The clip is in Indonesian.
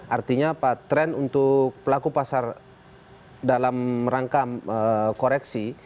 artinya apa tren untuk pelaku pasar dalam rangka koreksi